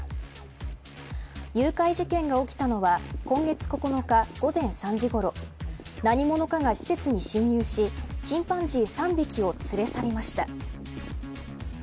誘拐事件が起きたのは今月９日、午前３時ごろ何者かが施設に侵入しチンパンジー３匹を連れ去りました。